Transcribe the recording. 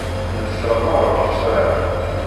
Nesɛa merra lesrar.